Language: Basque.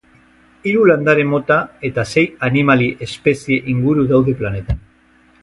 Hiru landare mota eta sei animali espezie inguru daude planetan.